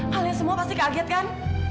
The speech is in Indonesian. hal ini semua pasti kaget kan